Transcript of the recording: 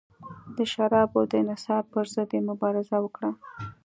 د شرابو د انحصار پرضد یې مبارزه وکړه.